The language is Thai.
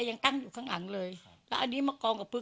ยังตั้งอยู่ข้างหลังเลยแล้วอันนี้มากองกับปึ๊